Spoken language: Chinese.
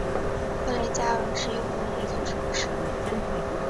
克雷加文是英国的一座城市。